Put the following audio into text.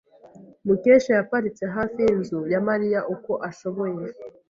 Mukesha yaparitse hafi yinzu ya Mariya uko ashoboye.